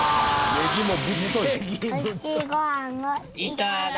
ネギもぶっとい。